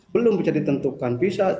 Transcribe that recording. belum bisa ditentukan